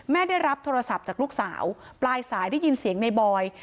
ได้รับโทรศัพท์จากลูกสาวปลายสายได้ยินเสียงในบอย